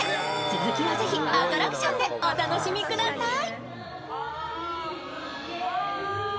続きはぜひアトラクションでお楽しみください。